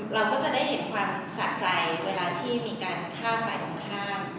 เราก็จะได้เห็นความสะใจเวลาที่มีการฆ่าฝ่ายตรงข้าม